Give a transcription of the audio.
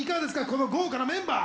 この豪華なメンバー！